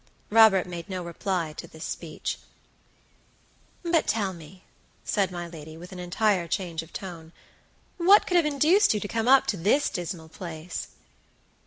Robert made no reply to this speech. "But tell me," said my lady, with an entire change of tone, "what could have induced you to come up to this dismal place?"